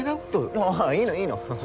ああいいのいいの。